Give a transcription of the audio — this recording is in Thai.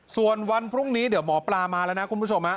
ส่วนวันพรุ่งนี้เดี๋ยวหมอปลามาแล้วนะคุณผู้ชม